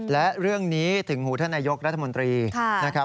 และเรื่องนี้ถึงหูท่านนายกรัฐมนตรีนะครับ